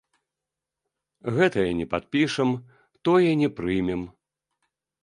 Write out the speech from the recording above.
Гэтае не падпішам, тое не прымем.